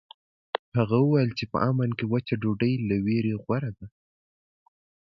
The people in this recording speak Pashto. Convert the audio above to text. هغه وویل په امن کې وچه ډوډۍ له ویرې غوره ده.